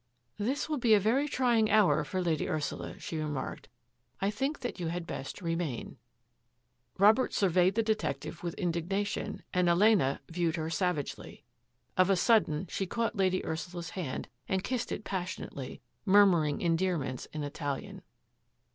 " This will be a very trying hour for Lady Ursula,'* she remarked ;" I think that you had best remain." Robert surveyed the detective with indignation and Elena viewed her savagely. Of a sudden she caught Lady Ursula's hand and kissed it passion ately, murmuring endearments in Italian.